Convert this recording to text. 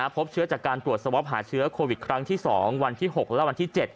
พบเชื้อจากการตรวจสวอปหาเชื้อโควิดครั้งที่๒วันที่๖และวันที่๗